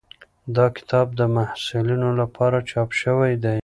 دا کتاب د محصلینو لپاره چاپ شوی دی.